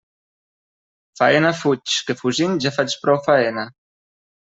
Faena fuig, que fugint ja faig prou faena.